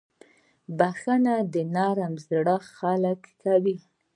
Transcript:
• بښل د نرم زړه خلک کوي.